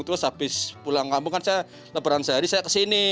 terus habis pulang kampung kan saya lebaran sehari saya kesini